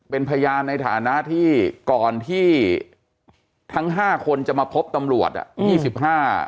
เป็นพยานในฐานะที่ก่อนที่ทั้งห้าคนจะมาพบตำรวจอ่ะยี่สิบห้า